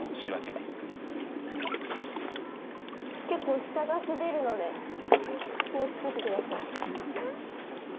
結構下が滑るので気をつけて下さい。